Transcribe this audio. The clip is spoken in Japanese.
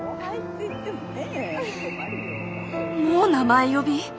もう名前呼び？